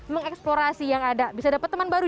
mengeksplorasi yang ada bisa dapat teman baru